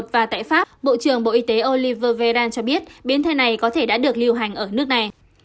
và tại pháp bộ trưởng bộ y tế oliver veran cho biết biến thể này có thể đã được lưu hành ở nước này